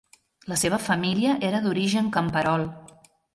La seva família era d'origen camperol.